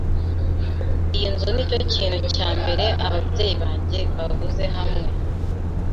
Iyi nzu nicyo kintu cya mbere ababyeyi banjye baguze hamwe.